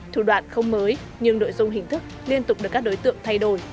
thủ đoạn không mới nhưng nội dung hình thức liên tục được các đối tượng thay đổi